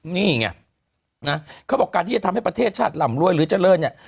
นี่ไงนะเขาบอกการที่จะทำให้ประเทศชาติหล่ำรวยหรือเจริญเนี่ย